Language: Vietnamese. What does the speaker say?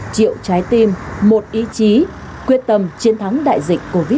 triệu trái tim một ý chí quyết tâm chiến thắng đại dịch covid một mươi chín